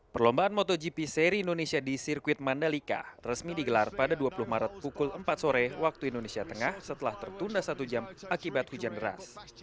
perlombaan motogp seri indonesia di sirkuit mandalika resmi digelar pada dua puluh maret pukul empat sore waktu indonesia tengah setelah tertunda satu jam akibat hujan deras